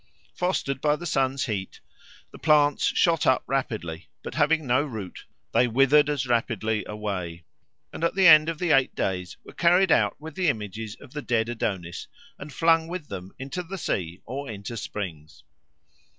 Fostered by the sun's heat, the plants shot up rapidly, but having no root they withered as rapidly away, and at the end of eight days were carried out with the images of the dead Adonis, and flung with them into the sea or into springs.